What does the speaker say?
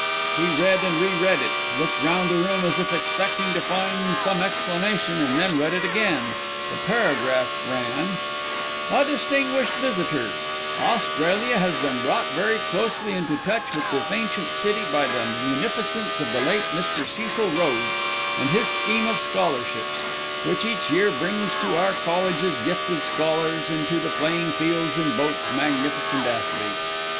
He read and re read it, looked round the room as if expecting to find some explanation, and then read it again. The paragraph ran: "A DISTINGUISHED VISITOR "Australia has been brought very closely into touch with this ancient city by the munificence of the late Mr. Cecil Rhodes and his scheme of Scholarships, which each year brings to our colleges gifted scholars, and to the playing fields and boats magnificent athletes.